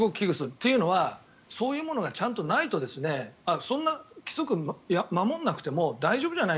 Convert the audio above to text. というのはそういうのがちゃんとないとそんな規則、守らなくても大丈夫じゃない？